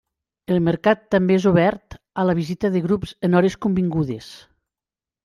El Mercat també és obert a la visita de grups en hores convingudes.